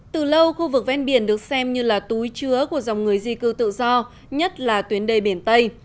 từ lâu khu vực ven biển được xem như là túi chứa của dòng người di cư tự do nhất là tuyến đê biển tây